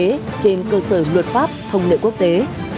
và các tổ chức pháp thông lệ quốc tế